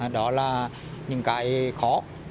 đó là những cái khó